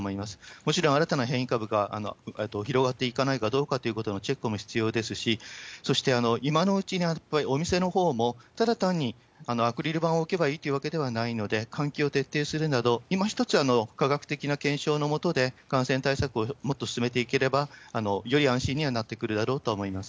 もちろん新たな変異株が広がっていかないかどうかということのチェックも必要ですし、そして、今のうちにやっぱりお店のほうも、ただ単にアクリル板を置けばいいというわけではないので、換気を徹底するなど、いま一つ科学的な検証の下で感染対策をもっと進めていければ、より安心にはなってくるだろうとは思います。